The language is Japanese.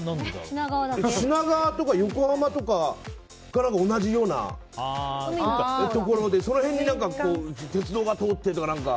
品川とか横浜とかから同じようなところでその辺に鉄道が通ってみたいな。